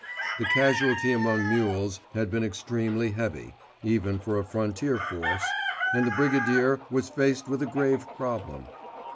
The casualties among mules had been extremely heavy, even for a frontier force, and the Brigadier was faced with a grave problem.